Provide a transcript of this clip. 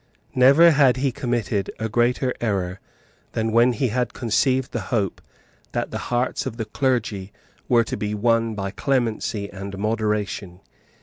Never had he committed a greater error than when he had conceived the hope that the hearts of the clergy were to be won by clemency and moderation.